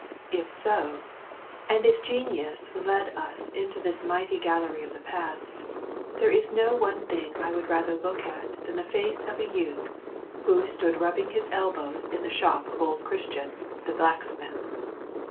If so, and if genius led us into this mighty gallery of the past, there is no one thing I would rather look at than the face of a youth who stood rubbing his elbows in the shop of old Christian, the blacksmith.